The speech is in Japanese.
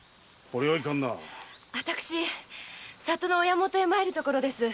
私里の親もとへ参るところです。